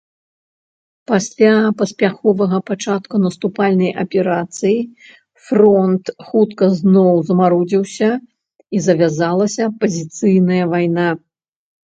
Пасле паспяховага пачатку наступальнай аперацыі фронт хутка зноў замарудзіўся і завязалася пазіцыйная вайна.